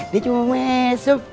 dia cuma mau masuk